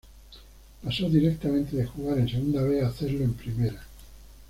Pasó directamente de jugar en Segunda B a hacerlo en Primera.